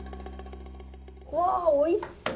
うわおいしそう。